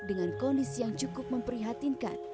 dengan kondisi yang cukup memprihatinkan